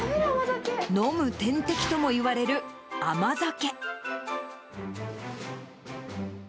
飲む点滴ともいわれる甘酒。